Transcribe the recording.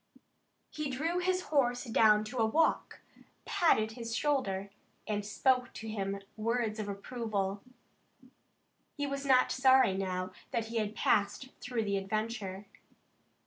He drew his horse down to a walk, patted his shoulder, and spoke to him words of approval. He was not sorry now that he had passed through the adventure.